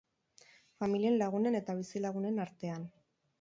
Familien, lagunen eta bizilagunen artean.